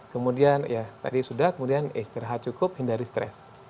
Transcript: kemudian ya tadi sudah kemudian istirahat cukup hindari stres